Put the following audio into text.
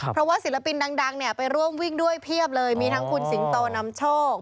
เพราะว่าศิลปินดังเนี่ยไปร่วมวิ่งด้วยเพียบเลยมีทั้งคุณสิงโตนำโชค